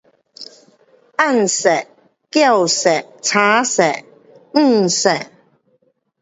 紅色.青色.絮色.黄色